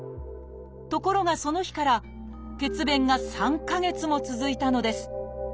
ところがその日から血便が３か月も続いたのです。